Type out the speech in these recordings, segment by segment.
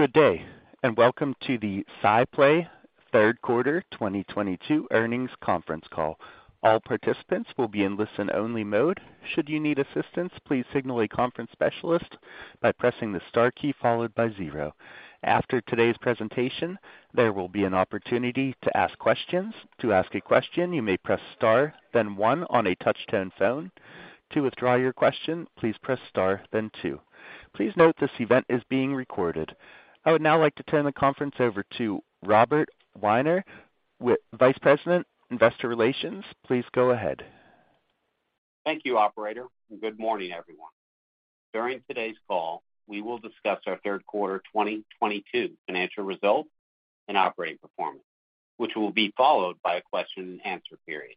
Good day, and welcome to the SciPlay Q3 2022 Earnings Conference Call. All participants will be in listen-only mode. Should you need assistance, please signal a conference specialist by pressing the star key followed by zero. After today's presentation, there will be an opportunity to ask questions. To ask a question, you may press star, then one on a touch-tone phone. To withdraw your question, please press star, then two. Please note this event is being recorded. I would now like to turn the conference over to Robert Weiner, Vice President, Investor Relations. Please go ahead. Thank you, operator, and good morning, everyone. During today's call, we will discuss our Q3 2022 financial results and operating performance, which will be followed by a question and answer period.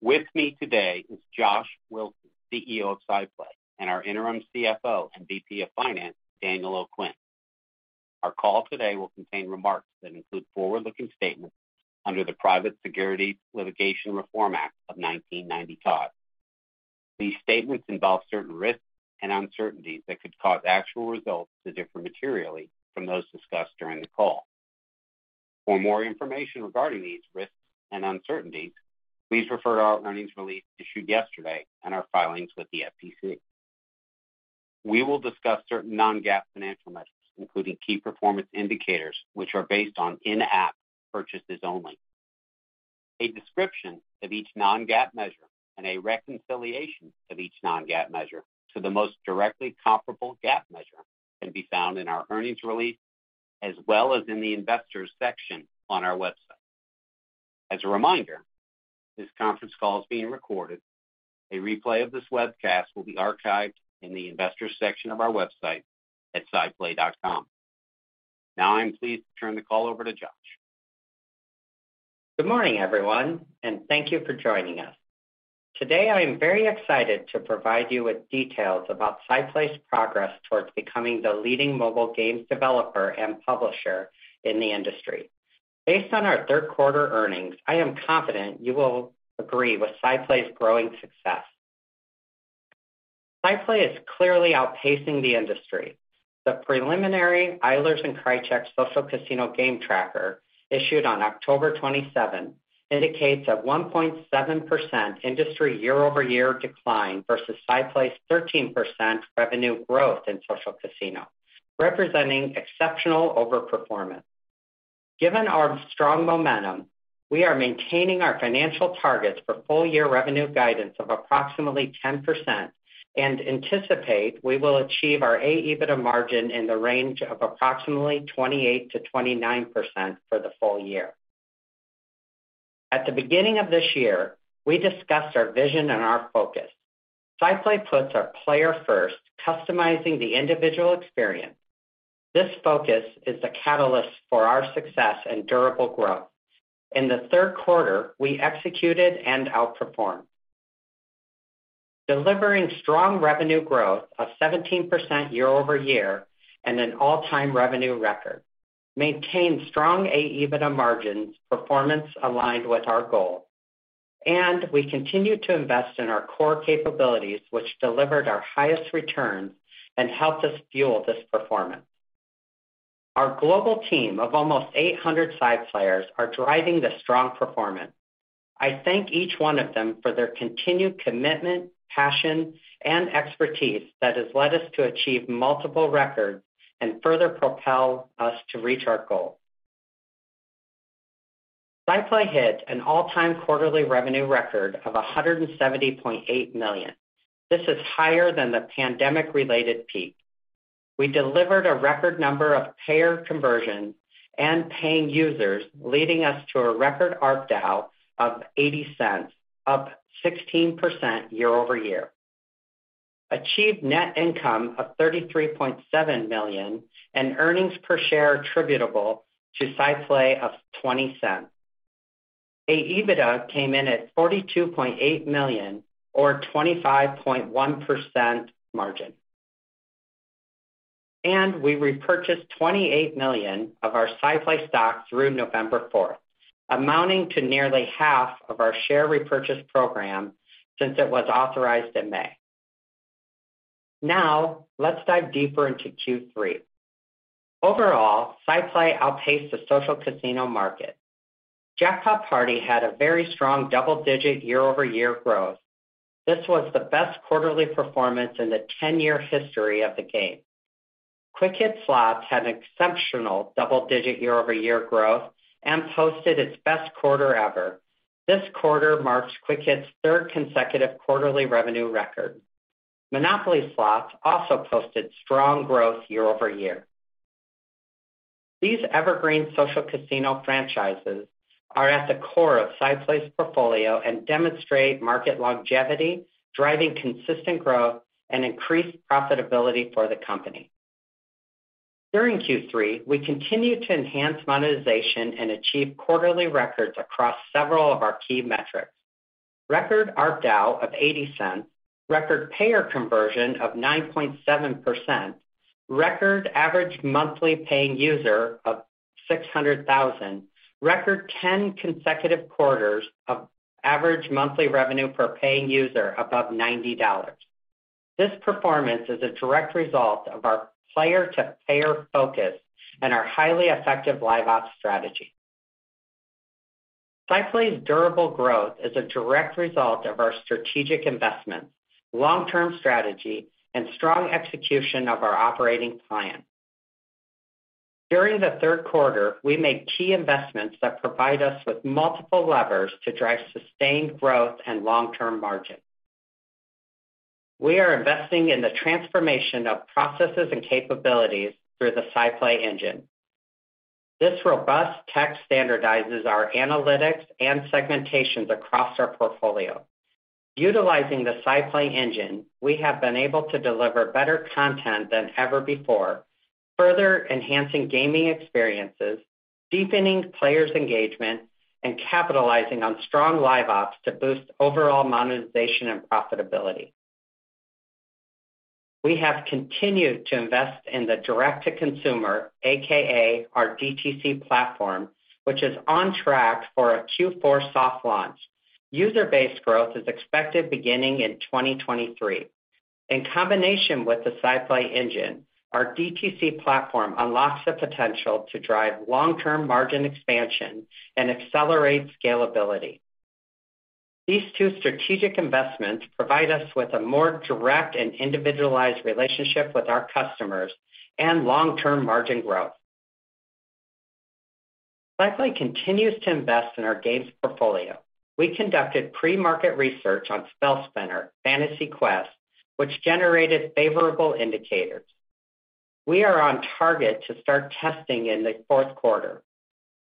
With me today is Josh Wilson, CEO of SciPlay, and our Interim CFO and VP of Finance, Daniel O'Quinn. Our call today will contain remarks that include forward-looking statements under the Private Securities Litigation Reform Act of 1995. These statements involve certain risks and uncertainties that could cause actual results to differ materially from those discussed during the call. For more information regarding these risks and uncertainties, please refer to our earnings release issued yesterday and our filings with the SEC. We will discuss certain non-GAAP financial measures, including key performance indicators, which are based on in-app purchases only. A description of each non-GAAP measure and a reconciliation of each non-GAAP measure to the most directly comparable GAAP measure can be found in our earnings release as well as in the investors section on our website. As a reminder, this conference call is being recorded. A replay of this webcast will be archived in the investors section of our website at sciplay.com. Now I am pleased to turn the call over to Josh. Good morning, everyone, and thank you for joining us. Today, I am very excited to provide you with details about SciPlay's progress towards becoming the leading mobile games developer and publisher in the industry. Based on our Q3 earnings, I am confident you will agree with SciPlay's growing success. SciPlay is clearly outpacing the industry. The preliminary Eilers & Krejcik Social Casino Game Tracker issued on October 27 indicates a 1.7% industry year-over-year decline versus SciPlay's 13% revenue growth in social casino, representing exceptional overperformance. Given our strong momentum, we are maintaining our financial targets for full-year revenue guidance of approximately 10% and anticipate we will achieve our a EBITDA margin in the range of approximately 28%-29% for the full year. At the beginning of this year, we discussed our vision and our focus. SciPlay puts our player first, customizing the individual experience. This focus is the catalyst for our success and durable growth. In the Q3, we executed and outperformed. Delivering strong revenue growth of 17% year-over-year and an all-time revenue record. Maintained strong a EBITDA margins performance aligned with our goal. We continued to invest in our core capabilities, which delivered our highest returns and helped us fuel this performance. Our global team of almost 800 SciPlayers are driving the strong performance. I thank each one of them for their continued commitment, passion, and expertise that has led us to achieve multiple records and further propel us to reach our goal. SciPlay hit an all-time quarterly revenue record of $170.8 million. This is higher than the pandemic-related peak. We delivered a record number of payer conversions and paying users, leading us to a record ARPDAU of $0.80, up 16% year-over-year. Achieved net income of $33.7 million and earnings per share attributable to SciPlay of $0.20. A EBITDA came in at $42.8 million or 25.1% margin. We repurchased $28 million of our SciPlay stock through November 4, amounting to nearly half of our share repurchase program since it was authorized in May. Now, let's dive deeper into Q3. Overall, SciPlay outpaced the social casino market. Jackpot Party had a very strong double-digit year-over-year growth. This was the best quarterly performance in the 10-year history of the game. Quick Hit Slots had an exceptional double-digit year-over-year growth and posted its best quarter ever. This quarter marks Quick Hit's third consecutive quarterly revenue record. MONOPOLY Slots also posted strong growth year-over-year. These evergreen social casino franchises are at the core of SciPlay's portfolio and demonstrate market longevity, driving consistent growth and increased profitability for the company. During Q3, we continued to enhance monetization and achieve quarterly records across several of our key metrics. Record ARPDAU of $0.80, record payer conversion of 9.7%, record average monthly paying user of 600,000, record 10 consecutive quarters of average monthly revenue per paying user above $90. This performance is a direct result of our player-to-player focus and our highly effective LiveOps strategy. SciPlay's durable growth is a direct result of our strategic investments, long-term strategy, and strong execution of our operating plan. During the Q3, we made key investments that provide us with multiple levers to drive sustained growth and long-term margin. We are investing in the transformation of processes and capabilities through the SciPlay Engine. This robust tech standardizes our analytics and segmentations across our portfolio. Utilizing the SciPlay Engine, we have been able to deliver better content than ever before, further enhancing gaming experiences, deepening players' engagement, and capitalizing on strong LiveOps to boost overall monetization and profitability. We have continued to invest in the direct-to-consumer, aka our DTC platform, which is on track for a Q4 soft launch. User-based growth is expected beginning in 2023. In combination with the SciPlay Engine, our DTC platform unlocks the potential to drive long-term margin expansion and accelerate scalability. These two strategic investments provide us with a more direct and individualized relationship with our customers and long-term margin growth. SciPlay continues to invest in our games portfolio. We conducted pre-market research on SpellSpinner: Fantasy Quest, which generated favorable indicators. We are on target to start testing in the Q4.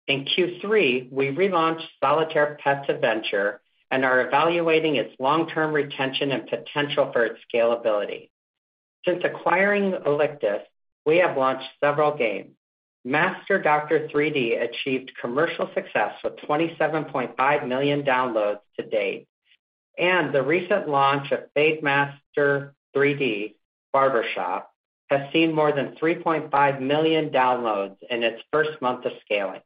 In Q3, we relaunched Solitaire Pets Adventure and are evaluating its long-term retention and potential for its scalability. Since acquiring Alictus, we have launched several games. Master Doctor 3D achieved commercial success with 27.5 million downloads to date. The recent launch of Fade Master 3D Barbershop has seen more than 3.5 million downloads in its first month of scaling.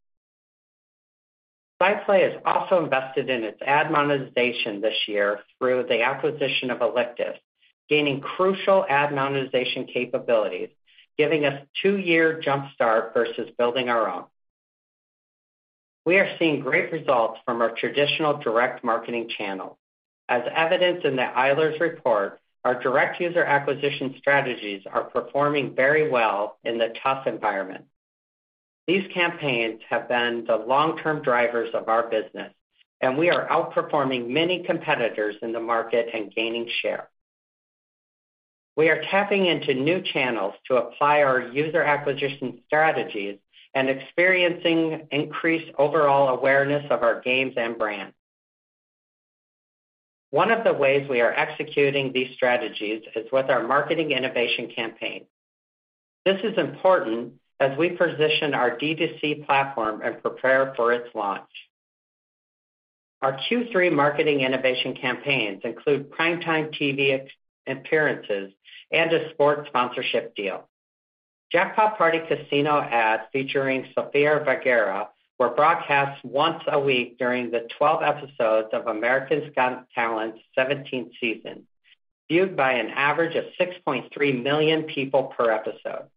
SciPlay has also invested in its ad monetization this year through the acquisition of Alictus, gaining crucial ad monetization capabilities, giving us two-year jump start versus building our own. We are seeing great results from our traditional direct marketing channel. As evidenced in the Eilers & Krejcik report, our direct user acquisition strategies are performing very well in the tough environment. These campaigns have been the long-term drivers of our business, and we are outperforming many competitors in the market and gaining share. We are tapping into new channels to apply our user acquisition strategies and experiencing increased overall awareness of our games and brands. One of the ways we are executing these strategies is with our marketing innovation campaign. This is important as we position our D2C platform and prepare for its launch. Our Q3 marketing innovation campaigns include primetime TV appearances and a sports sponsorship deal. Jackpot Party Casino ads featuring Sofía Vergara were broadcast once a week during the 12 episodes of America's Got Talent's seventeenth season, viewed by an average of 6.3 million people per episode.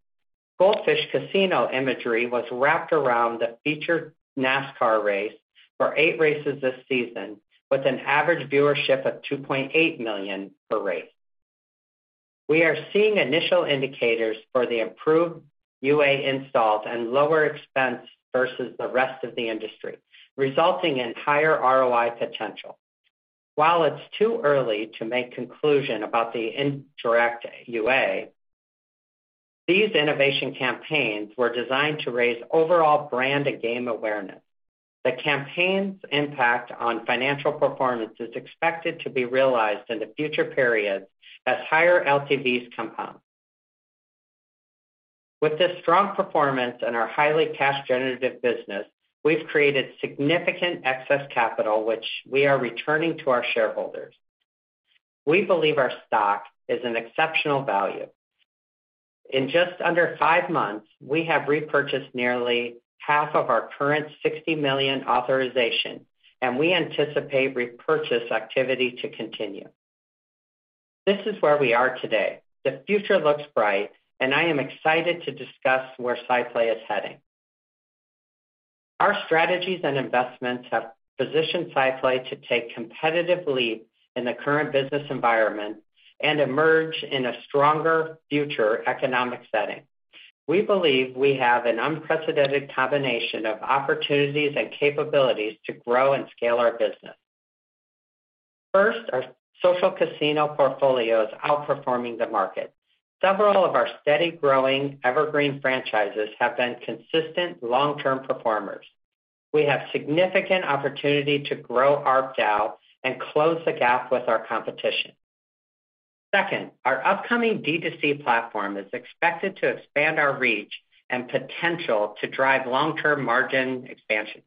Gold Fish Casino imagery was wrapped around the featured NASCAR race for eight races this season with an average viewership of 2.8 million per race. We are seeing initial indicators for the improved UA installs and lower expense versus the rest of the industry, resulting in higher ROI potential. While it's too early to make conclusion about the indirect UA, these innovation campaigns were designed to raise overall brand and game awareness. The campaign's impact on financial performance is expected to be realized in the future periods as higher LTVs compound. With this strong performance and our highly cash-generative business, we've created significant excess capital, which we are returning to our shareholders. We believe our stock is an exceptional value. In just under five months, we have repurchased nearly half of our current 60 million authorization, and we anticipate repurchase activity to continue. This is where we are today. The future looks bright, and I am excited to discuss where SciPlay is heading. Our strategies and investments have positioned SciPlay to take competitive leaps in the current business environment and emerge in a stronger future economic setting. We believe we have an unprecedented combination of opportunities and capabilities to grow and scale our business. First, our social casino portfolio is outperforming the market. Several of our steady-growing evergreen franchises have been consistent long-term performers. We have significant opportunity to grow ARPDAU and close the gap with our competition. Second, our upcoming D2C platform is expected to expand our reach and potential to drive long-term margin expansion.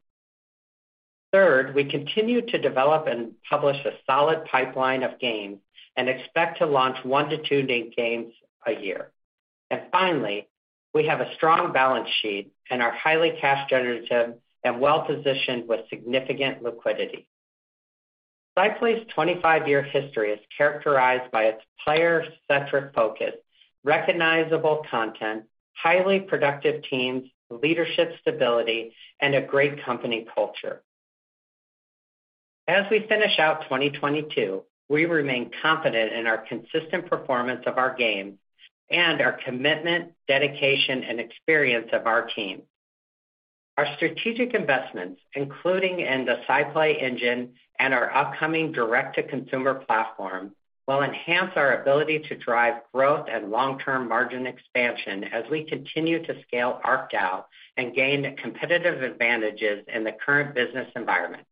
Third, we continue to develop and publish a solid pipeline of games and expect to launch one to two new games a year. Finally, we have a strong balance sheet and are highly cash generative and well-positioned with significant liquidity. SciPlay's 25-year history is characterized by its player-centric focus, recognizable content, highly productive teams, leadership stability, and a great company culture. As we finish out 2022, we remain confident in our consistent performance of our games and our commitment, dedication, and experience of our team. Our strategic investments, including in the SciPlay Engine and our upcoming direct-to-consumer platform, will enhance our ability to drive growth and long-term margin expansion as we continue to scale our DAU and gain competitive advantages in the current business environment.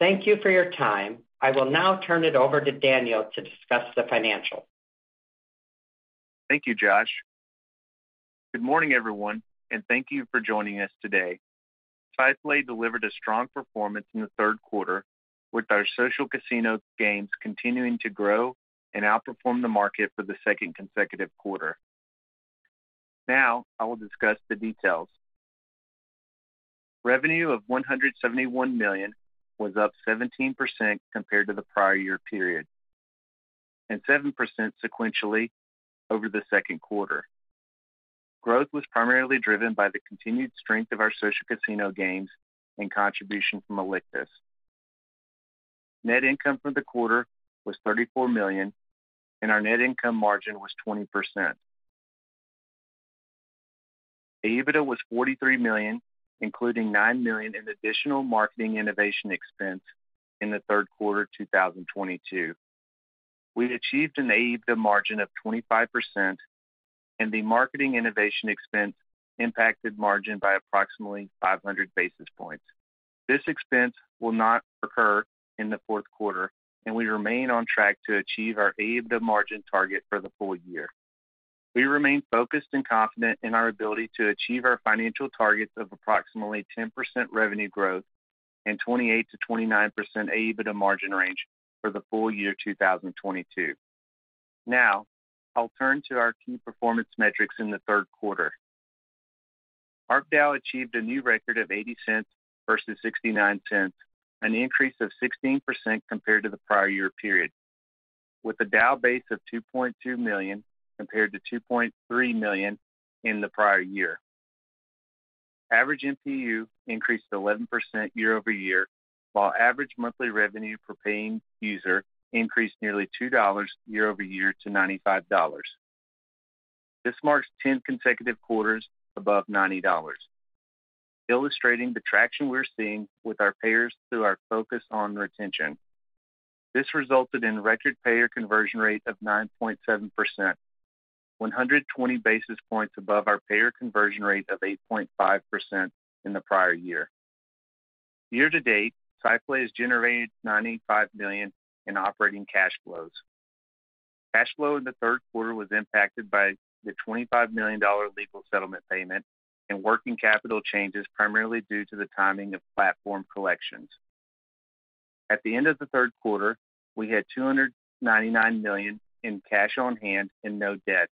Thank you for your time. I will now turn it over to Daniel to discuss the financials. Thank you, Josh. Good morning, everyone, and thank you for joining us today. SciPlay delivered a strong performance in the Q3, with our social casino games continuing to grow and outperform the market for the second consecutive quarter. Now I will discuss the details. Revenue of $171 million was up 17% compared to the prior year period, and 7% sequentially over the Q2. Growth was primarily driven by the continued strength of our social casino games and contribution from Alictus. Net income for the quarter was $34 million, and our net income margin was 20%. EBITDA was $43 million, including $9 million in additional marketing innovation expense in the Q3 2022. We achieved an EBITDA margin of 25%, and the marketing innovation expense impacted margin by approximately 500 basis points. This expense will not occur in the Q4, and we remain on track to achieve our EBITDA margin target for the full year. We remain focused and confident in our ability to achieve our financial targets of approximately 10% revenue growth and 28%-29% EBITDA margin range for the full year 2022. Now, I'll turn to our key performance metrics in the Q3. ARPDAU achieved a new record of $0.80 versus $0.69, an increase of 16% compared to the prior year period, with a DAU base of 2.2 million compared to 2.3 million in the prior year. Average MPU increased 11% year-over-year, while average monthly revenue per paying user increased nearly $2 year-over-year to $95. This marks 10 consecutive quarters above $90, illustrating the traction we're seeing with our payers through our focus on retention. This resulted in record payer conversion rate of 9.7%, 120 basis points above our payer conversion rate of 8.5% in the prior year. Year-to-date, SciPlay has generated $95 million in operating cash flows. Cash flow in the Q3 was impacted by the $25 million legal settlement payment and working capital changes primarily due to the timing of platform collections. At the end of the Q3, we had $299 million in cash on hand and no debt.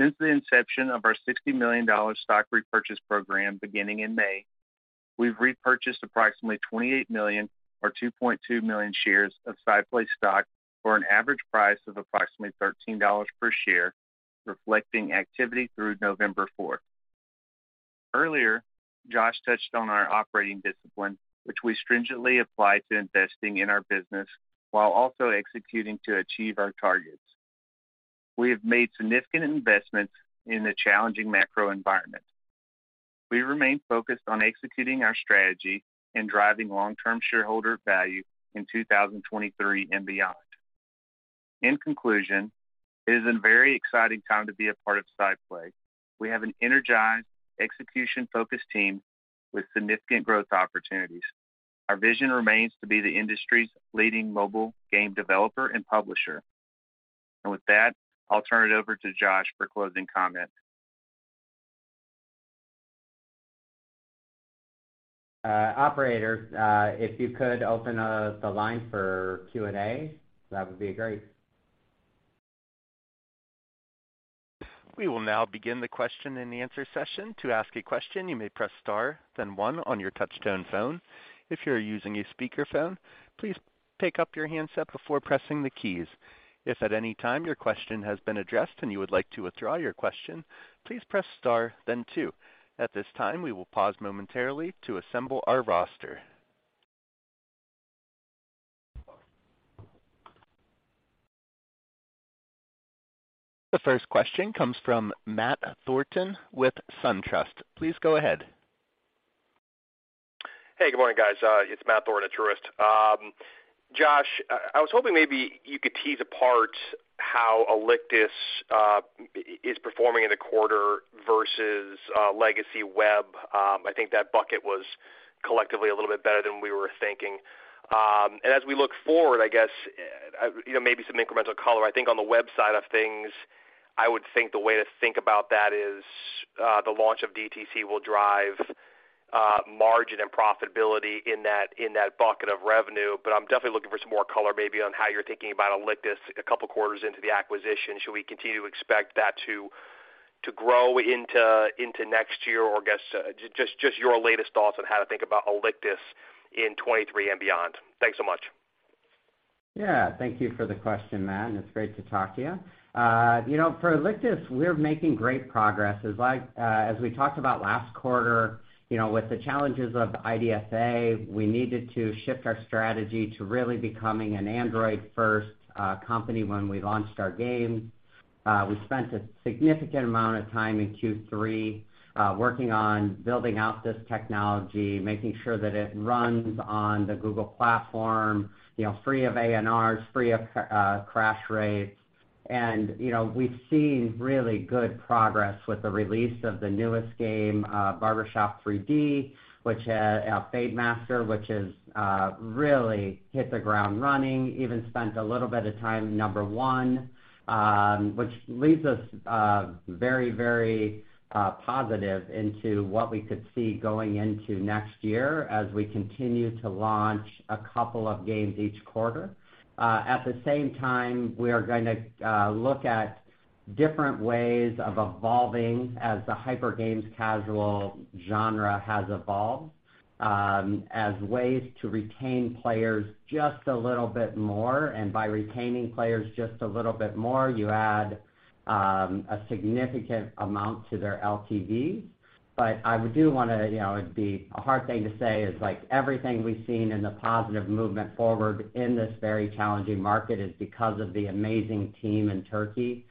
Since the inception of our $60 million stock repurchase program beginning in May, we've repurchased approximately $28 million for 2.2 million shares of SciPlay stock for an average price of approximately $13 per share, reflecting activity through November 4. Earlier, Josh touched on our operating discipline, which we stringently apply to investing in our business while also executing to achieve our targets. We have made significant investments in the challenging macro environment. We remain focused on executing our strategy and driving long-term shareholder value in 2023 and beyond. In conclusion, it is a very exciting time to be a part of SciPlay. We have an energized, execution-focused team with significant growth opportunities. Our vision remains to be the industry's leading mobile game developer and publisher. With that, I'll turn it over to Josh for closing comments. Operator, if you could open the line for Q&A, that would be great. We will now begin the question-and-answer session. To ask a question, you may press star then one on your touch-tone phone. If you're using a speakerphone, please pick up your handset before pressing the keys. If at any time your question has been addressed and you would like to withdraw your question, please press star then two. At this time, we will pause momentarily to assemble our roster. The first question comes from Matt Thornton with Truist. Please go ahead. Hey, good morning, guys. It's Matt Thornton at Truist. Josh, I was hoping maybe you could tease apart how Alictus is performing in the quarter versus legacy web. I think that bucket was collectively a little bit better than we were thinking. As we look forward, I guess you know, maybe some incremental color, I think on the web side of things. I would think the way to think about that is the launch of DTC will drive margin and profitability in that bucket of revenue. But I'm definitely looking for some more color maybe on how you're thinking about Alictus a couple quarters into the acquisition. Should we continue to expect that to grow into next year? Or I guess just your latest thoughts on how to think about Alictus in 2023 and beyond. Thanks so much. Yeah. Thank you for the question, Matt, and it's great to talk to you. You know, for Alictus, we're making great progress. As we talked about last quarter, you know, with the challenges of IDFA, we needed to shift our strategy to really becoming an Android-first company when we launched our games. We spent a significant amount of time in Q3 working on building out this technology, making sure that it runs on the Google platform, you know, free of ANRs, free of crash rates. You know, we've seen really good progress with the release of the newest game, Barbershop 3D, which Fade Master, which is really hit the ground running, even spent a little bit of time number one, which leaves us very positive into what we could see going into next year as we continue to launch a couple of games each quarter. At the same time, we are gonna look at different ways of evolving as the hyper-casual genre has evolved, in ways to retain players just a little bit more. By retaining players just a little bit more, you add a significant amount to their LTV. I do wanna, you know, it'd be a hard thing to say is, like everything we've seen in the positive movement forward in this very challenging market is because of the amazing team in Turkey.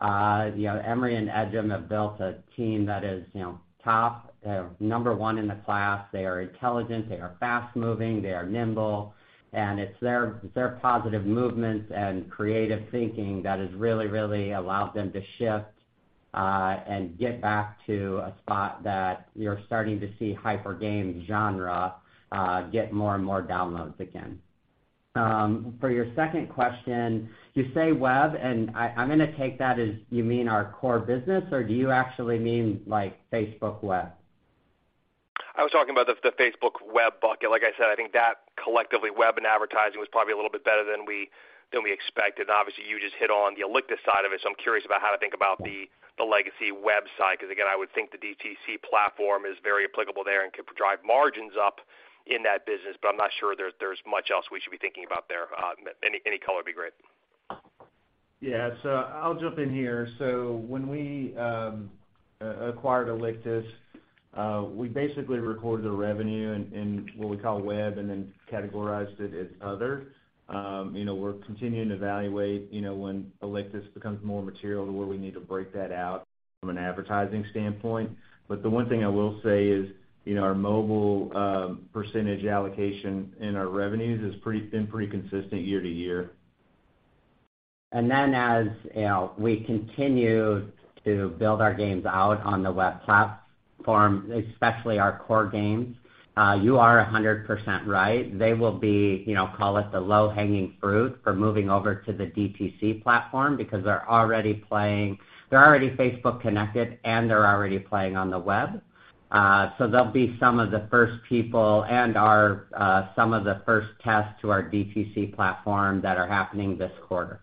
You know, Emre and Ecem have built a team that is, you know, top, number one in the class. They are intelligent, they are fast-moving, they are nimble, and it's their positive movements and creative thinking that has really allowed them to shift, and get back to a spot that you're starting to see hyper-casual genre get more and more downloads again. For your second question, you say web, and I'm gonna take that as you mean our core business, or do you actually mean, like, Facebook web? I was talking about the Facebook web bucket. Like I said, I think that collectively, web and advertising was probably a little bit better than we expected. Obviously, you just hit on the Alictus side of it, so I'm curious about how to think about the legacy web side. 'Cause again, I would think the DTC platform is very applicable there and could drive margins up in that business, but I'm not sure there's much else we should be thinking about there. Any color would be great. Yeah. I'll jump in here. When we acquired Alictus, we basically recorded the revenue in what we call web and then categorized it as other. You know, we're continuing to evaluate, you know, when Alictus becomes more material to where we need to break that out from an advertising standpoint. The one thing I will say is, you know, our mobile percentage allocation in our revenues has been pretty consistent year to year. As you know, we continue to build our games out on the web platform, especially our core games. You are 100% right. They will be, you know, call it the low-hanging fruit for moving over to the DTC platform because they're already playing. They're already Facebook connected, and they're already playing on the web. They'll be some of the first people and our some of the first tests to our DTC platform that are happening this quarter.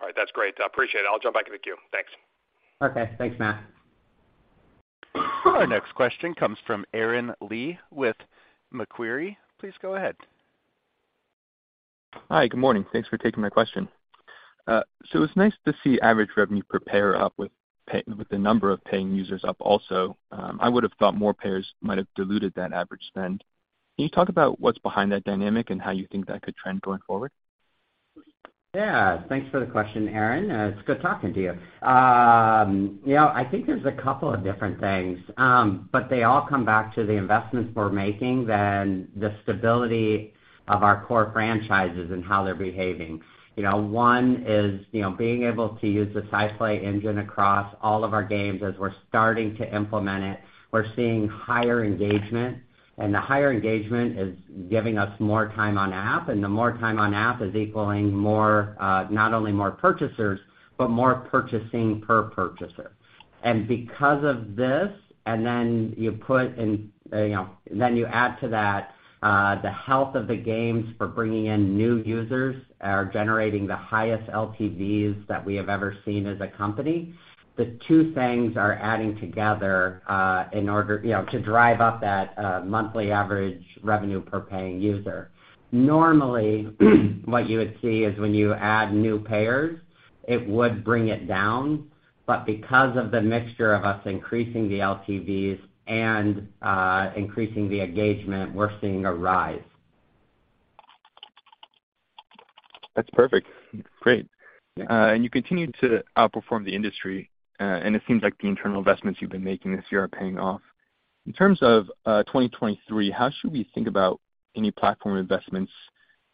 All right. That's great. I appreciate it. I'll jump back in the queue. Thanks. Okay. Thanks, Matt. Our next question comes from Aaron Lee with Macquarie. Please go ahead. Hi. Good morning. Thanks for taking my question. It's nice to see average revenue per payer up with the number of paying users up also. I would have thought more payers might have diluted that average spend. Can you talk about what's behind that dynamic and how you think that could trend going forward? Yeah. Thanks for the question, Aaron. It's good talking to you. You know, I think there's a couple of different things, but they all come back to the investments we're making, then the stability of our core franchises and how they're behaving. You know, one is, you know, being able to use the SciPlay Engine across all of our games as we're starting to implement it. We're seeing higher engagement, and the higher engagement is giving us more time on app, and the more time on app is equaling more, not only more purchasers, but more purchasing per purchaser. Because of this, and then you put in, you know, then you add to that, the health of the games for bringing in new users are generating the highest LTVs that we have ever seen as a company. The two things are adding together, in order, you know, to drive up that, monthly average revenue per paying user. Normally, what you would see is when you add new payers, it would bring it down. Because of the mixture of us increasing the LTVs and, increasing the engagement, we're seeing a rise. That's perfect. Great. Yeah. You continue to outperform the industry, and it seems like the internal investments you've been making this year are paying off. In terms of 2023, how should we think about any platform investments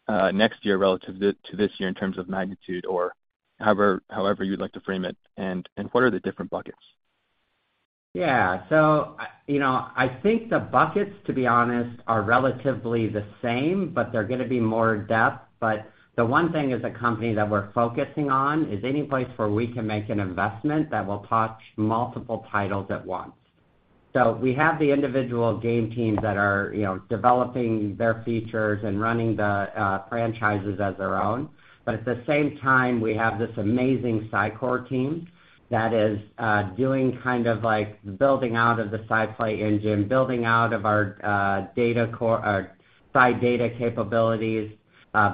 next year relative to this year in terms of magnitude or however you'd like to frame it, and what are the different buckets? Yeah. I think the buckets, to be honest, are relatively the same, but they're gonna be more in-depth. The one thing as a company that we're focusing on is any place where we can make an investment that will touch multiple titles at once. We have the individual game teams that are, you know, developing their features and running the franchises as their own. At the same time, we have this amazing SciCore team that is doing kind of like building out the SciPlay Engine, building out our SciData capabilities,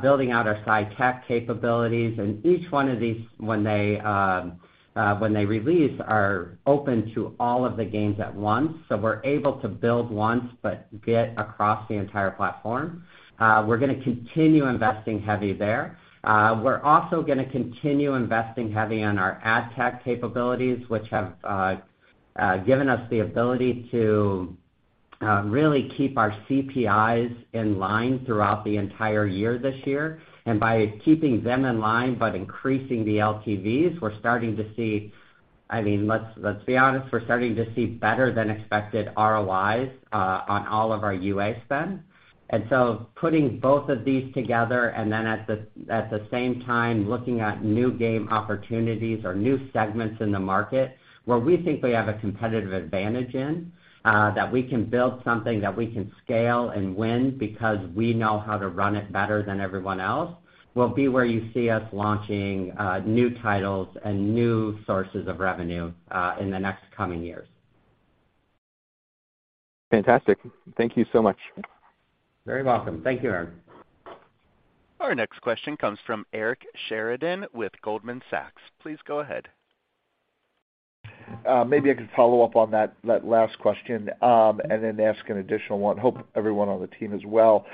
building out our SciTech capabilities. Each one of these, when they release, are open to all of the games at once. We're able to build once, but get across the entire platform. We're gonna continue investing heavy there. We're also gonna continue investing heavy on our ad tech capabilities, which have given us the ability to really keep our CPIs in line throughout the entire year this year. By keeping them in line, but increasing the LTVs, we're starting to see. I mean, let's be honest, we're starting to see better than expected ROIs on all of our UA spend. Putting both of these together, and then at the same time looking at new game opportunities or new segments in the market where we think we have a competitive advantage in, that we can build something that we can scale and win because we know how to run it better than everyone else, will be where you see us launching new titles and new sources of revenue in the next coming years. Fantastic. Thank you so much. Very welcome. Thank you, Aaron. Our next question comes from Eric Sheridan with Goldman Sachs. Please go ahead. Maybe I could follow up on that last question and then ask an additional one. Hope everyone on the team is well.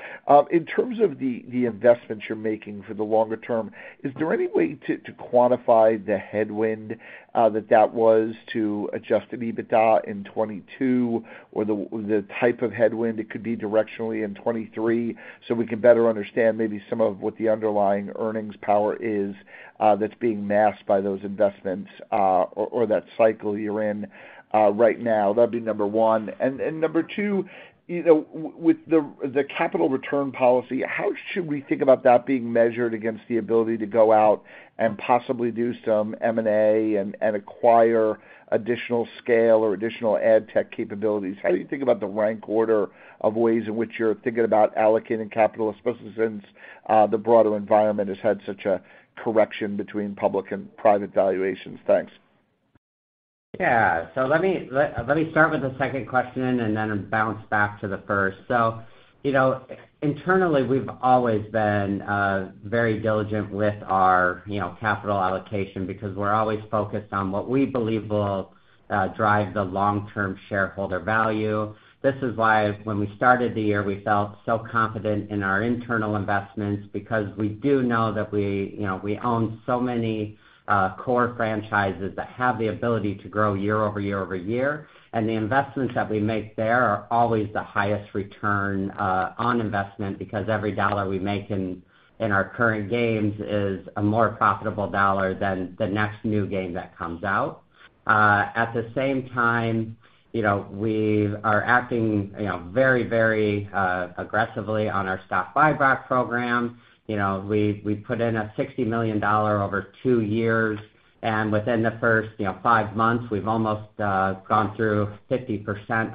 In terms of the investments you're making for the longer term, is there any way to quantify the headwind that was to Adjusted EBITDA in 2022 or the type of headwind it could be directionally in 2023 so we can better understand maybe some of what the underlying earnings power is that's being masked by those investments or that cycle you're in right now? That'd be number one. Number two, you know, with the capital return policy, how should we think about that being measured against the ability to go out and possibly do some M&A and acquire additional scale or additional ad tech capabilities? How do you think about the rank order of ways in which you're thinking about allocating capital, especially since the broader environment has had such a correction between public and private valuations? Thanks. Yeah. Let me start with the second question and then bounce back to the first. You know, internally, we've always been very diligent with our you know, capital allocation because we're always focused on what we believe will drive the long-term shareholder value. This is why when we started the year, we felt so confident in our internal investments because we do know that we you know, we own so many core franchises that have the ability to grow year-over-year. The investments that we make there are always the highest return on investment because every dollar we make in our current games is a more profitable dollar than the next new game that comes out. At the same time, you know, we are acting you know, very aggressively on our stock buyback program. You know, we put in a $60 million over two years, and within the first, you know, five months, we've almost gone through 50%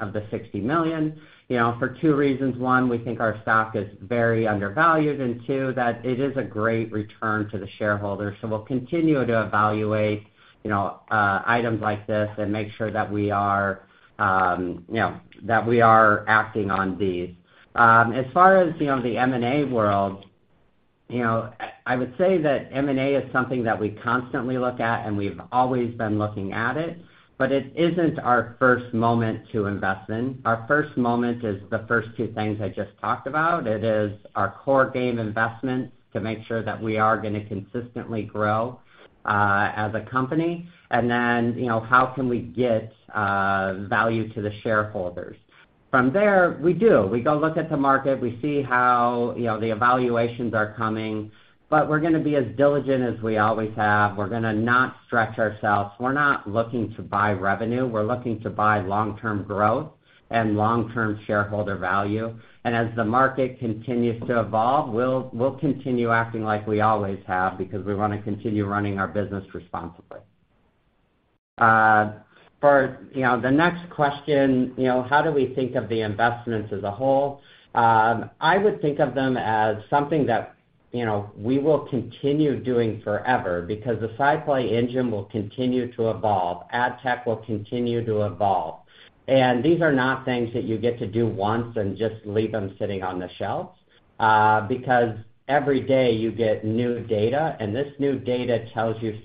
of the $60 million, you know. For two reasons. One, we think our stock is very undervalued, and two, that it is a great return to the shareholders. We'll continue to evaluate, you know, items like this and make sure that we are, you know, that we are acting on these. As far as, you know, the M&A world, you know, I would say that M&A is something that we constantly look at, and we've always been looking at it, but it isn't our first moment to invest in. Our first moment is the first two things I just talked about. It is our core game investment to make sure that we are gonna consistently grow, as a company, and then, you know, how can we get value to the shareholders. From there, we do. We go look at the market, we see how, you know, the valuations are coming, but we're gonna be as diligent as we always have. We're gonna not stretch ourselves. We're not looking to buy revenue. We're looking to buy long-term growth and long-term shareholder value. As the market continues to evolve, we'll continue acting like we always have because we wanna continue running our business responsibly. For you know, the next question, you know, how do we think of the investments as a whole? I would think of them as something that, you know, we will continue doing forever because the SciPlay Engine will continue to evolve, ad tech will continue to evolve. These are not things that you get to do once and just leave them sitting on the shelves, because every day you get new data, and this new data tells you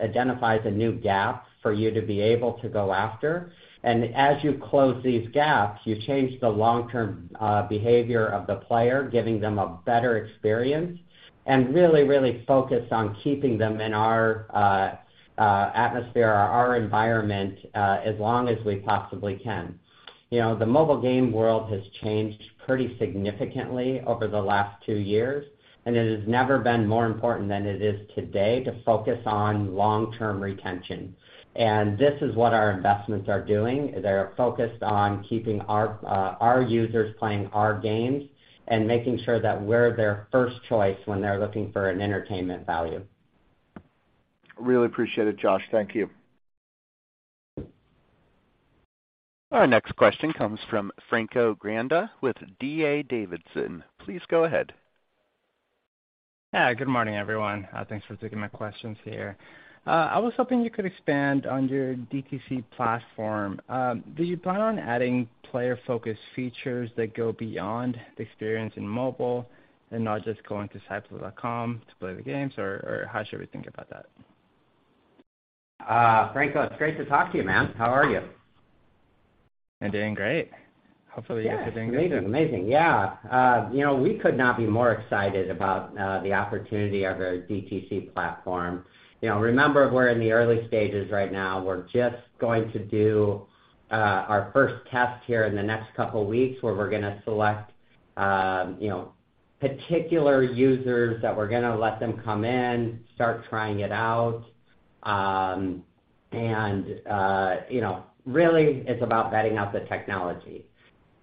identifies a new gap for you to be able to go after. As you close these gaps, you change the long-term behavior of the player, giving them a better experience, and really focus on keeping them in our atmosphere or our environment, as long as we possibly can. You know, the mobile game world has changed pretty significantly over the last two years, and it has never been more important than it is today to focus on long-term retention. This is what our investments are doing, is they're focused on keeping our users playing our games and making sure that we're their first choice when they're looking for an entertainment value. Really appreciate it, Josh. Thank you. Our next question comes from Franco Granda with D.A. Davidson. Please go ahead. Yeah. Good morning, everyone. Thanks for taking my questions here. I was hoping you could expand on your DTC platform. Do you plan on adding player-focused features that go beyond the experience in mobile and not just going to sciplay.com to play the games, or how should we think about that? Franco, it's great to talk to you, man. How are you? I'm doing great. Hopefully you guys are doing good too. Yeah. Amazing. Yeah. You know, we could not be more excited about the opportunity of our DTC platform. You know, remember we're in the early stages right now. We're just going to do our first test here in the next couple weeks, where we're gonna select you know, particular users that we're gonna let them come in, start trying it out. You know, really it's about vetting out the technology.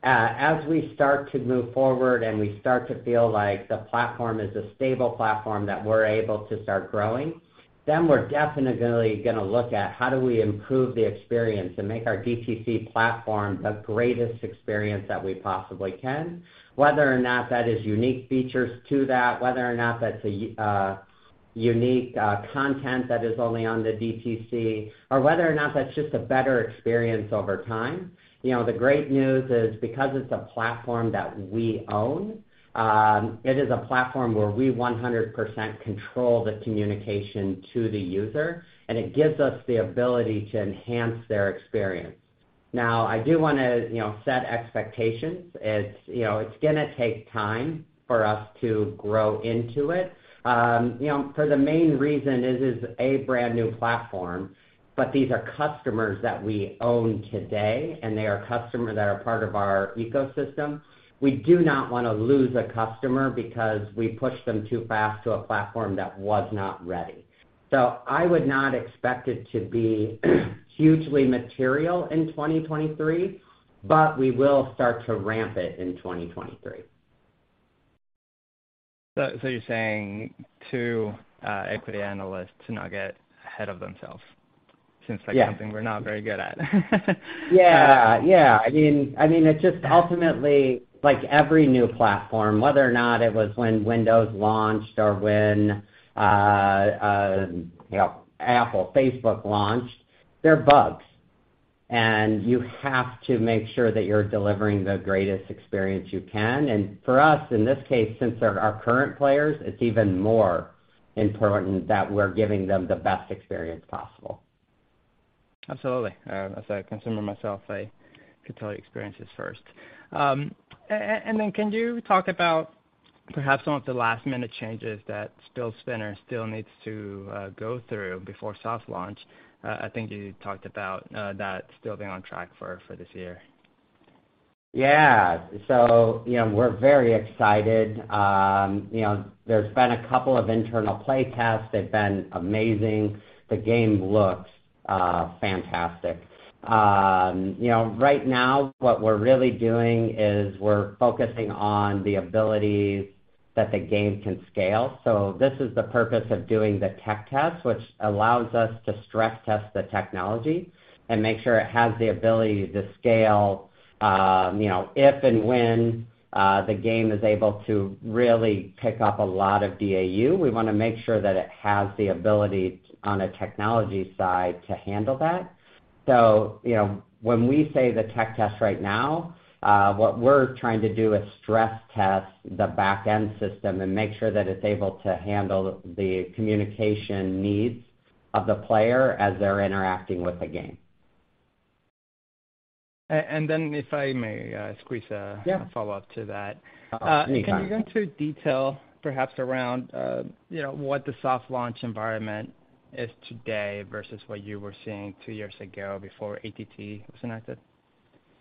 As we start to move forward and we start to feel like the platform is a stable platform that we're able to start growing, then we're definitely gonna look at how do we improve the experience and make our DTC platform the greatest experience that we possibly can, whether or not that is unique features to that, whether or not that's a unique content that is only on the DTC, or whether or not that's just a better experience over time. You know, the great news is because it's a platform that we own, it is a platform where we 100% control the communication to the user, and it gives us the ability to enhance their experience. Now, I do wanna, you know, set expectations. It's, you know, it's gonna take time for us to grow into it. You know, for the main reason, this is a brand new platform, but these are customers that we own today, and they are customers that are part of our ecosystem. We do not wanna lose a customer because we pushed them too fast to a platform that was not ready. I would not expect it to be hugely material in 2023, but we will start to ramp it in 2023. You're saying to equity analysts to not get ahead of themselves. Yeah. Seems like something we're not very good at. I mean, it's just ultimately like every new platform, whether or not it was when Windows launched or when, you know, Apple, Facebook launched, there are bugs, and you have to make sure that you're delivering the greatest experience you can. For us, in this case, since they're our current players, it's even more important that we're giving them the best experience possible. Absolutely. As a consumer myself, I could tell you experience is first. Can you talk about perhaps some of the last-minute changes that SpellSpinner still needs to go through before soft launch? I think you talked about that still being on track for this year. Yeah. You know, we're very excited. You know, there's been a couple of internal play tests. They've been amazing. The game looks fantastic. You know, right now what we're really doing is we're focusing on the ability that the game can scale. This is the purpose of doing the tech test, which allows us to stress test the technology and make sure it has the ability to scale, you know, if and when the game is able to really pick up a lot of DAU. We wanna make sure that it has the ability on a technology side to handle that. you know, when we say the tech test right now, what we're trying to do is stress test the back-end system and make sure that it's able to handle the communication needs of the player as they're interacting with the game. if I may, squeeze a follow-up to that. Anytime. Can you go into detail perhaps around, you know, what the soft launch environment is today versus what you were seeing two years ago before ATT was enacted?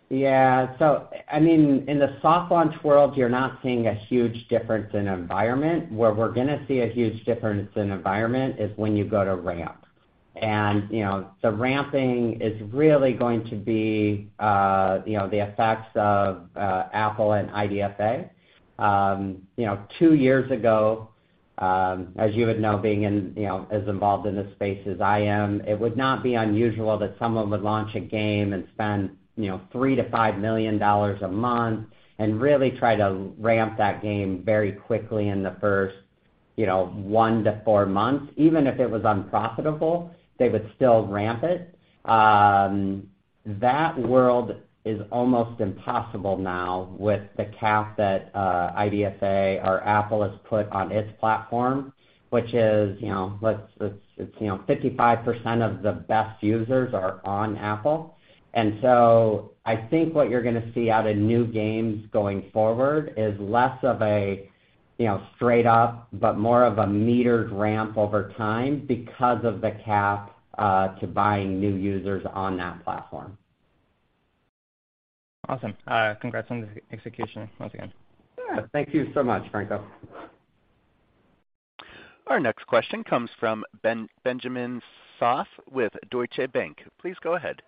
Yeah. I mean, in the soft launch world, you're not seeing a huge difference in environment. Where we're gonna see a huge difference in environment is when you go to ramp. You know, the ramping is really going to be the effects of Apple and IDFA. You know, two years ago, as you would know, being in, you know, as involved in this space as I am, it would not be unusual that someone would launch a game and spend $3 million-$5 million a month and really try to ramp that game very quickly in the first one to four months. Even if it was unprofitable, they would still ramp it. That world is almost impossible now with the cap that IDFA or Apple has put on its platform, which is, you know, 55% of the best users are on Apple. I think what you're gonna see out of new games going forward is less of a, you know, straight up, but more of a metered ramp over time because of the cap to buying new users on that platform. Awesome. Congrats on the execution once again. Yeah. Thank you so much, Franco. Our next question comes from Benjamin Sass with Deutsche Bank. Please go ahead.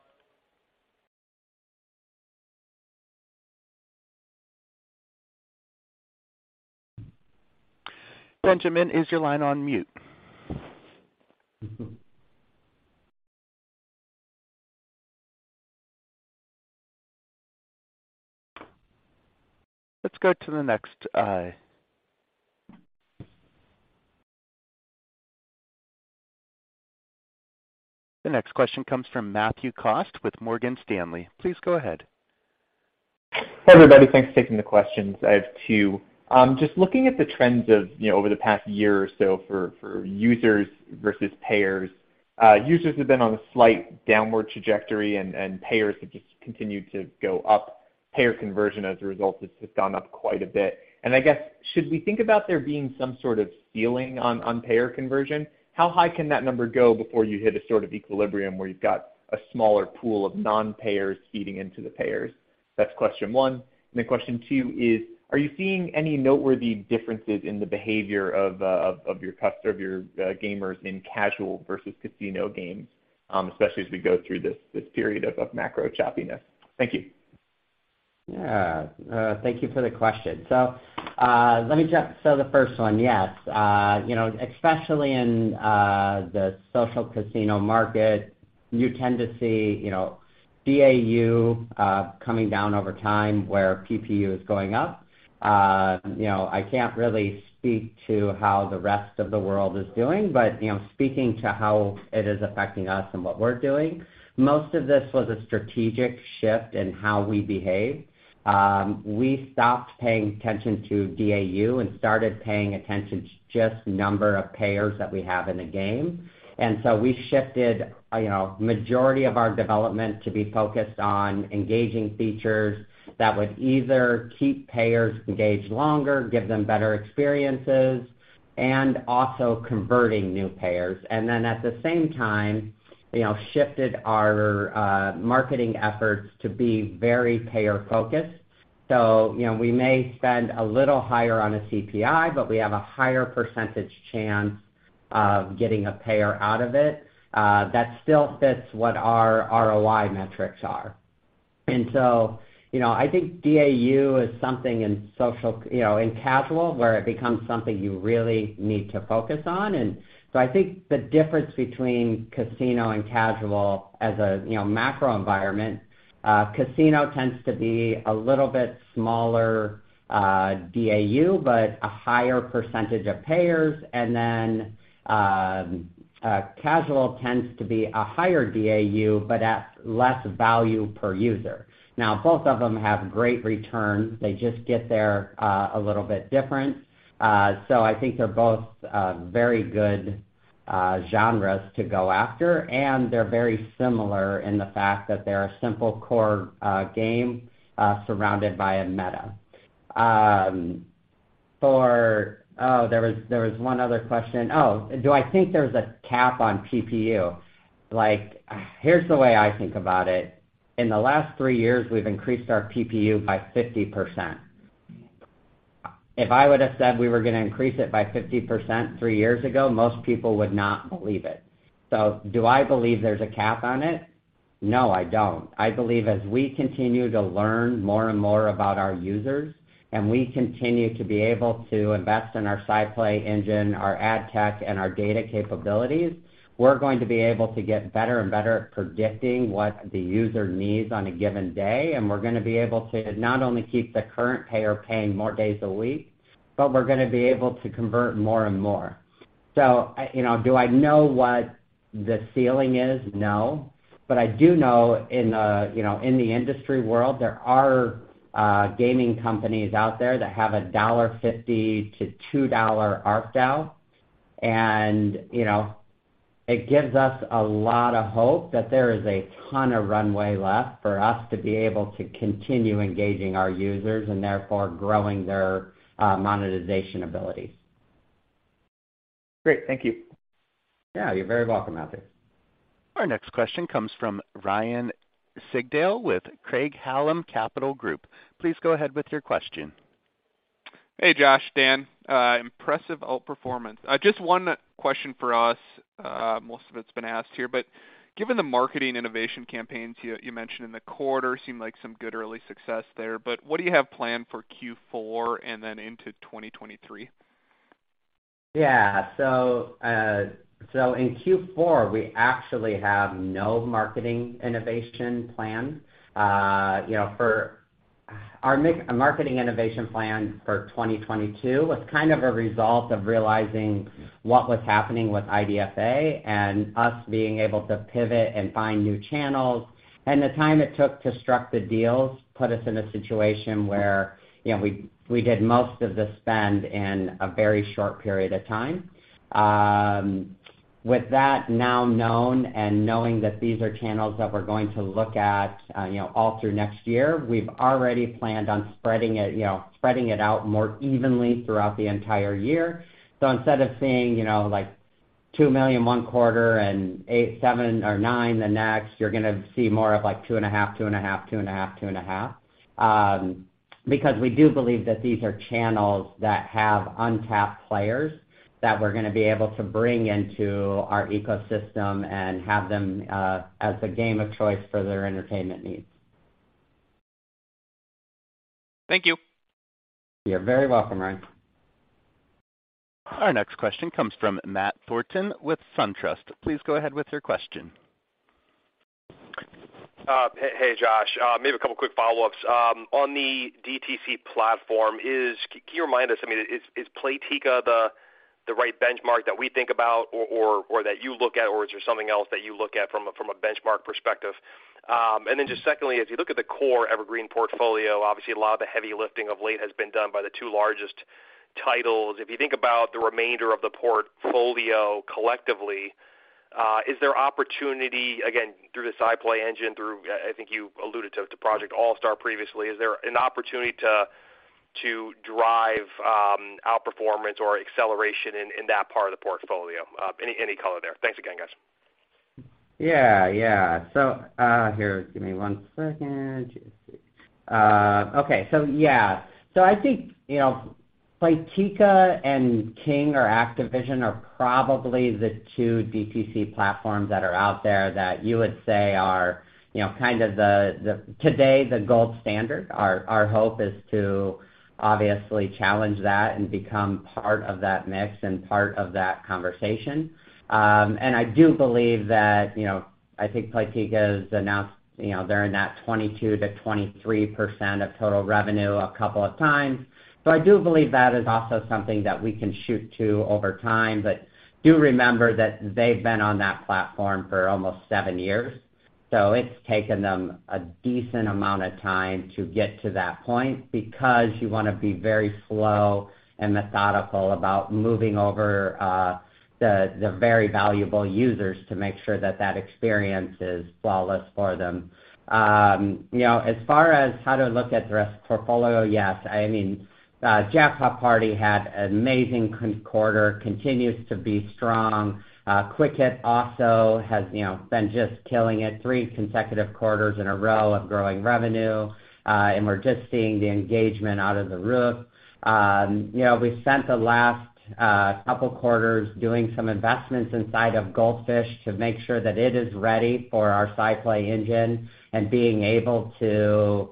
Benjamin, is your line on mute? Let's go to the next. The next question comes from Matthew Cost with Morgan Stanley. Please go ahead. Hi, everybody. Thanks for taking the questions. I have two. Just looking at the trends of, you know, over the past year or so for users versus payers, users have been on a slight downward trajectory and payers have just continued to go up. Payer conversion as a result has just gone up quite a bit. I guess, should we think about there being some sort of ceiling on payer conversion? How high can that number go before you hit a sort of equilibrium where you've got a smaller pool of non-payers feeding into the payers? That's question one. Question two is, are you seeing any noteworthy differences in the behavior of your gamers in casual versus casino games, especially as we go through this period of macro choppiness? Thank you. Yeah. Thank you for the question. The first one, yes. You know, especially in the social casino market, you tend to see, you know, DAU coming down over time where PPU is going up. You know, I can't really speak to how the rest of the world is doing, but you know, speaking to how it is affecting us and what we're doing, most of this was a strategic shift in how we behave. We stopped paying attention to DAU and started paying attention to just number of payers that we have in a game. We shifted, you know, majority of our development to be focused on engaging features that would either keep payers engaged longer, give them better experiences, and also converting new payers. At the same time, you know, shifted our marketing efforts to be very payer-focused. You know, we may spend a little higher on a CPI, but we have a higher percentage chance of getting a payer out of it that still fits what our ROI metrics are. You know, I think DAU is something in social, you know, in casual where it becomes something you really need to focus on. I think the difference between casino and casual as a, you know, macro environment, casino tends to be a little bit smaller DAU, but a higher percentage of payers. Casual tends to be a higher DAU, but at less value per user. Now, both of them have great returns. They just get there a little bit different. I think they're both very good genres to go after, and they're very similar in the fact that they're a simple core game surrounded by a meta. There was one other question. Do I think there's a cap on PPU? Like, here's the way I think about it. In the last three years, we've increased our PPU by 50%. If I would have said we were gonna increase it by 50% three years ago, most people would not believe it. Do I believe there's a cap on it? No, I don't. I believe as we continue to learn more and more about our users, and we continue to be able to invest in our SciPlay Engine, our ad tech, and our data capabilities, we're going to be able to get better and better at predicting what the user needs on a given day, and we're gonna be able to not only keep the current payer paying more days a week, but we're gonna be able to convert more and more. You know, do I know what the ceiling is? No. I do know in, you know, in the industry world, there are gaming companies out there that have a $1.50-$2 ARPDAU. You know, it gives us a lot of hope that there is a ton of runway left for us to be able to continue engaging our users and therefore growing their monetization abilities. Great. Thank you. Yeah. You're very welcome, Matthew. Our next question comes from Ryan Sigdahl with Craig-Hallum Capital Group. Please go ahead with your question. Hey, Josh, Dan. Impressive outperformance. Just one question for us. Most of it's been asked here, but given the marketing innovation campaigns you mentioned in the quarter, seemed like some good early success there, but what do you have planned for Q4 and then into 2023? Yeah, in Q4, we actually have no marketing innovation plan. You know, for our marketing innovation plan for 2022 was kind of a result of realizing what was happening with IDFA and us being able to pivot and find new channels. The time it took to strike the deals put us in a situation where, you know, we did most of the spend in a very short period of time. With that now known and knowing that these are channels that we're going to look at, you know, all through next year, we've already planned on spreading it out more evenly throughout the entire year. Instead of seeing, you know, like 2 million one quarter and eight, seven or nine the next, you're gonna see more of, like, 2.5, 2.5, 2.5, 2.5. Because we do believe that these are channels that have untapped players that we're gonna be able to bring into our ecosystem and have them as the game of choice for their entertainment needs. Thank you. You're very welcome, Ryan. Our next question comes from Matt Thornton with Truist. Please go ahead with your question. Hey, Josh. Maybe a couple quick follow-ups. On the DTC platform, can you remind us, I mean, is Playtika the right benchmark that we think about or that you look at or is there something else that you look at from a benchmark perspective? Just secondly, as you look at the core Evergreen portfolio, obviously a lot of the heavy lifting of late has been done by the two largest titles. If you think about the remainder of the portfolio collectively, is there opportunity, again, through the SciPlay Engine, through, I think you alluded to, Project All-Star previously, is there an opportunity to drive outperformance or acceleration in that part of the portfolio? Any color there. Thanks again, guys. Yeah. I think, you know, Playtika and King or Activision are probably the two DTC platforms that are out there that you would say are, you know, kind of the gold standard today. Our hope is to obviously challenge that and become part of that mix and part of that conversation. I do believe that, you know, I think Playtika's announced, you know, they're in that 22%-23% of total revenue a couple of times. I do believe that is also something that we can shoot to over time. Do remember that they've been on that platform for almost seven years, so it's taken them a decent amount of time to get to that point because you wanna be very slow and methodical about moving over, the very valuable users to make sure that that experience is flawless for them. You know, as far as how to look at the rest of the portfolio, yes. I mean, Jackpot Party had an amazing quarter, continues to be strong. Quick Hit also has, you know, been just killing it three consecutive quarters in a row of growing revenue. We're just seeing the engagement through the roof. You know, we've spent the last couple quarters doing some investments inside of Goldfish to make sure that it is ready for our SciPlay Engine and being able to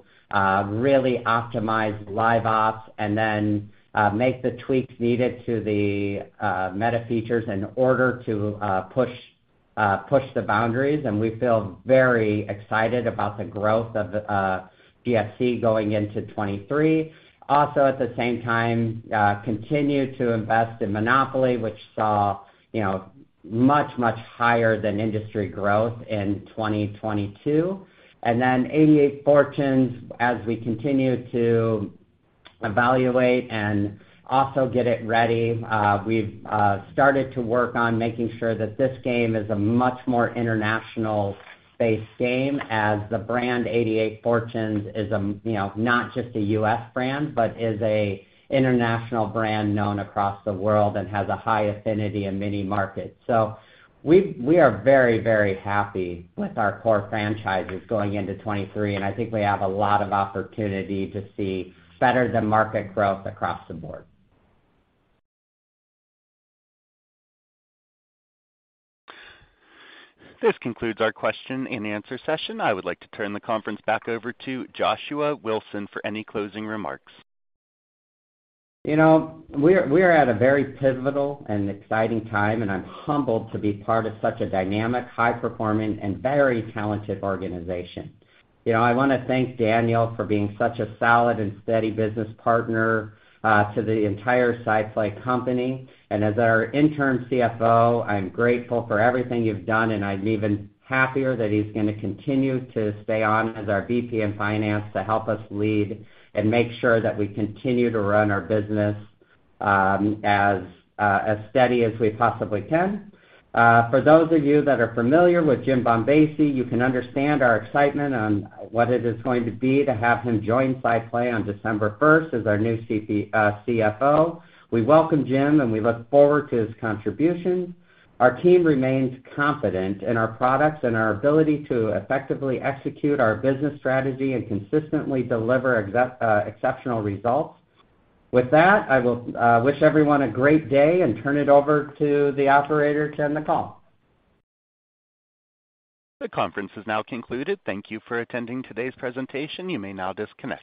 really optimize LiveOps and then make the tweaks needed to the meta features in order to push the boundaries. We feel very excited about the growth of GFC going into 2023. Also at the same time continue to invest in Monopoly, which saw, you know, much higher than industry growth in 2022. And then 88 Fortunes as we continue to evaluate and also get it ready, we've started to work on making sure that this game is a much more international based game as the brand 88 Fortunes is, you know, not just a U.S. brand, but is an international brand known across the world and has a high affinity in many markets. We are very, very happy with our core franchises going into 2023, and I think we have a lot of opportunity to see better than market growth across the board. This concludes our question and answer session. I would like to turn the conference back over to Joshua Wilson for any closing remarks. You know, we're at a very pivotal and exciting time, and I'm humbled to be part of such a dynamic, high performing and very talented organization. You know, I wanna thank Daniel for being such a solid and steady business partner to the entire SciPlay company. As our interim CFO, I'm grateful for everything you've done, and I'm even happier that he's gonna continue to stay on as our VP of Finance to help us lead and make sure that we continue to run our business as steady as we possibly can. For those of you that are familiar with Jim Bombassei, you can understand our excitement on what it is going to be to have him join SciPlay on December first as our new CFO. We welcome Jim and we look forward to his contributions. Our team remains confident in our products and our ability to effectively execute our business strategy and consistently deliver exceptional results. With that, I will wish everyone a great day and turn it over to the operator to end the call. The conference is now concluded. Thank you for attending today's presentation. You may now disconnect.